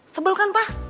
sebel kan pa